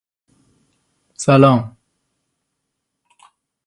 However, routine tests do not measure all types of ions.